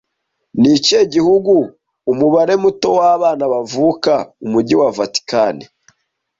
Ni ikihe gihugu gifite umubare muto w'abana bavuka Umujyi wa Vatikani